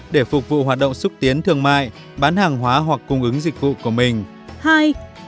để phục vụ hoạt động xúc tiến thương mại bán hàng hóa hoặc cung ứng dịch vụ của mình